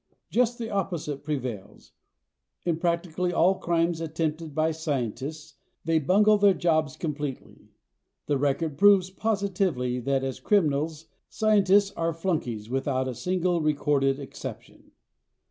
Just the opposite prevails. In practically all crimes attempted by scientists they bungle their jobs completely. The record proves positively that as criminals scientists are flunkies without a single recorded exception.